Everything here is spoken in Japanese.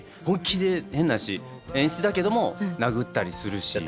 本気で変な話演出だけども殴ったりするし。